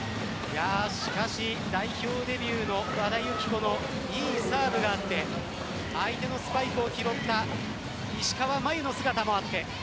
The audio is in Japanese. しかし、代表デビューの和田由紀子のいいサーブがあって相手のスパイクを拾った石川真佑の姿もあって。